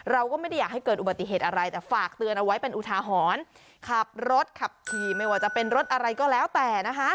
เราก็ไม่ได้อยากให้เกิดอุบัติเหตุอะไรแต่ฝากเตือนเอาไว้เป็นอุทาหรณ์ขับรถขับขี่ไม่ว่าจะเป็นรถอะไรก็แล้วแต่นะคะ